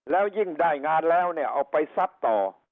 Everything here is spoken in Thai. แล้วยิ่งได้งานแล้วเนี่ยเอาไปซัดต่อ